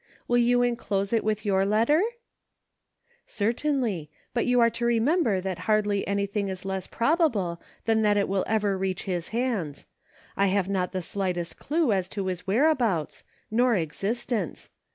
Will you enclose it with your letter ?"" Certainly ; but you are to remember that hardly anything is less probable than that it will ever reach his hands ; I have not the slightest clue to his whereabouts, nor existence.